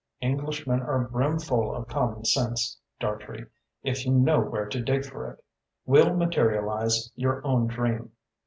Englishmen are brimful of common sense, Dartrey, if you know where to dig for it. We'll materialise your own dream.